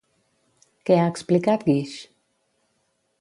Què ha explicat Guix?